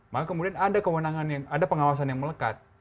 maka kemudian ada kewenangan yang ada pengawasan yang melekat